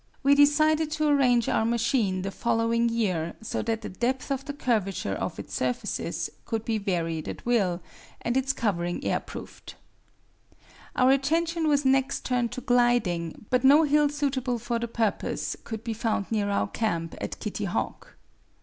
We decided to arrange our machine for the following year so that the depth of the curvature of its surfaces could be varied at will and its covering air proofed. Our attention was next turned to gliding, but no hill suitable for the purpose could be found near our camp at Kitty Hawk.